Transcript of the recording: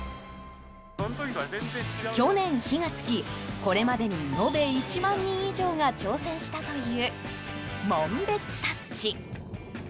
去年、火が付きこれまでに延べ１万人以上が挑戦したという紋別タッチ。